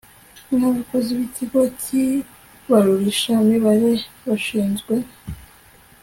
n abakozi b Ikigo cy Ibarurishamibare bashinzwe